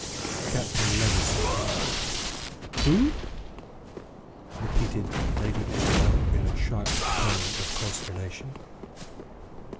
"Captain Levison." "Who?" repeated Lady Isabel, in a sharp tone of consternation.